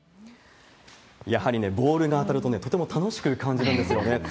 やはりね、ボールが当たるとね、とても楽しく感じるんですよね。